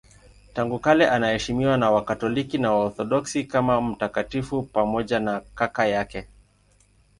Tangu kale anaheshimiwa na Wakatoliki na Waorthodoksi kama mtakatifu pamoja na kaka yake.